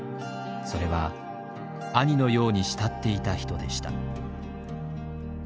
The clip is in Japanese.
それは兄のように慕っていた人でした。